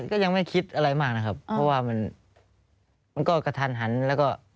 ก็ยังไม่คิดอะไรมากนะครับเพราะว่ามันก็กระทันหันแล้วก็